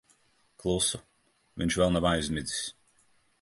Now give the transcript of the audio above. Klusu. Viņš vēl nav aizmidzis.